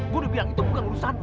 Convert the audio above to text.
gue udah bilang itu bukan urusan lo